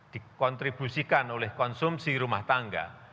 dikontribusikan oleh konsumsi rumah tangga